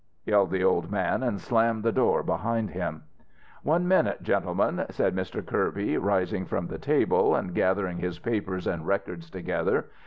yelled the old man, and slammed the door behind him. "One minute, gentlemen," said Mr. Kirby, rising from the table and gathering his papers and records together.